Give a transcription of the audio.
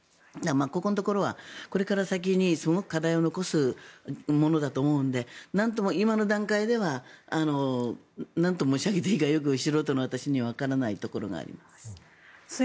ここのところはこれから先にすごく課題を残すものだと思うので今の段階ではなんと申し上げていいかよく、素人の私にはわからないところがあります。